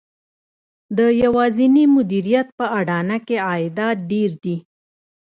د یوازېني مدیریت په اډانه کې عایدات ډېر دي